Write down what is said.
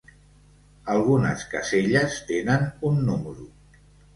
Algunes caselles tenen un número.